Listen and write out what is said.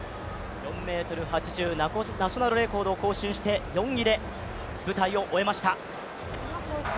４ｍ８４、ナショナルレコードを更新して４位で終えました。